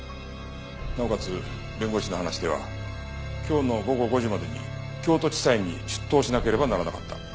なおかつ弁護士の話では今日の午後５時までに京都地裁に出頭しなければならなかった。